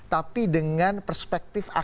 tapi dengan perspektif ak